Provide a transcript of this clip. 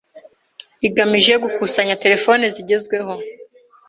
igamije gukusanya telefoni zigezweho